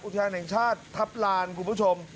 แทนแห่งชาติทัพลานคุณผู้ชม